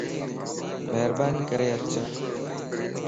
مھرباني ڪري اچ